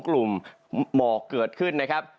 กลุ่มหมอกเกิดขึ้นนะครับ